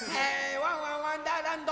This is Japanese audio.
「ワンワンわんだーらんど」